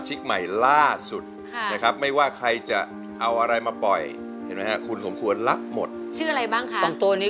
ใช่เขาเข้ามาไหนบ้างพี่